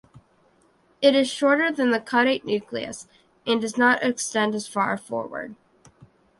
It is shorter than the caudate nucleus and does not extend as far forward.